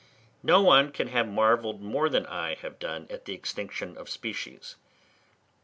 No one can have marvelled more than I have done at the extinction of species.